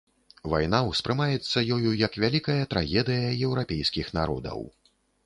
Вайна ўспрымаецца ёю як вялікая трагедыя еўрапейскіх народаў.